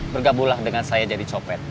bergabunglah dengan saya jadi copet